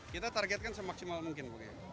kita targetkan semaksimal mungkin